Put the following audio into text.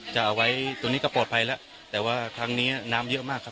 จะเอาไว้ตรงนี้ก็ปลอดภัยแล้วแต่ว่าครั้งนี้น้ำเยอะมากครับ